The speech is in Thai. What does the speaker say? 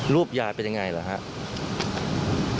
ยายเป็นยังไงหรือครับ